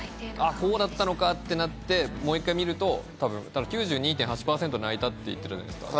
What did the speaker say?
こうだったのかってなって、もう１回見ると、９２．８％泣いたって言ってたじゃないですか。